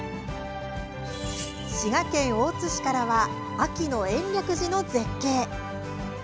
滋賀県大津市からは秋の延暦寺の絶景。